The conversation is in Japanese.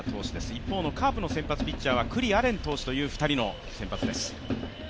一方のカープの先発ピッチャーは九里亜蓮投手という２人の先発です。